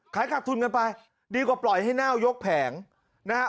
ขายกักทุนกันไปดีกว่าปล่อยให้น่าวยกแผงนะครับ